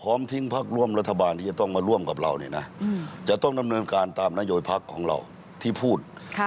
พร้อมทิ้งภักดิ์ร่วมรัฐบาลที่จะต้องมาร่วมกับเราจะต้องนำเนินการตามนโยยภักดิ์ของเราที่พูด